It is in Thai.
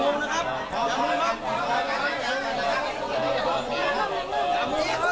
พี่คุณจะอยู่หรือไหม